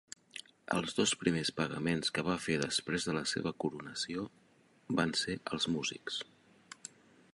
Els dos primers pagaments que va fer després de la seva coronació van ser als músics.